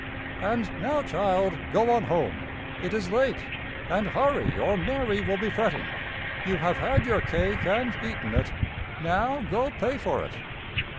"And now, child, go on home. It is late. And hurry or Mary will be fretting. You have had your cake and eaten it. Now go pay for it.